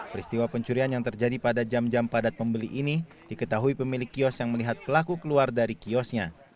peristiwa pencurian yang terjadi pada jam jam padat pembeli ini diketahui pemilik kios yang melihat pelaku keluar dari kiosnya